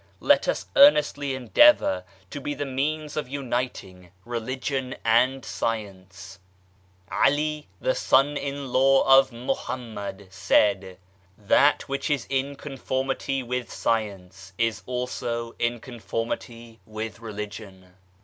Let us earnestly endeavour to be the means of uniting Religion and Science. THEOSOPHICAL SOCIETY 121 Ali, me son in law of Mahommed, said :" That which is in conformity with Science is also in conformity with Religion.